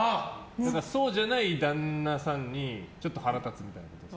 そうじゃない旦那さんにちょっと腹立つみたいな？